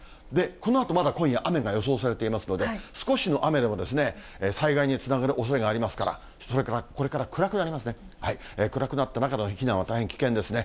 このあとまだ今夜雨が予想されていますので、少しの雨でも災害につながるおそれがありますから、これから暗くなりますね、暗くなった中での避難は大変危険ですね。